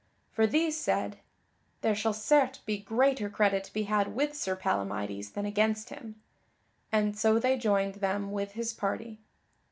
For these said, "There shall certes be greater credit to be had with Sir Palamydes than against him," and so they joined them with his party.